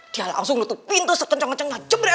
dia langsung nutup pintu serceng ceng ceng najep bre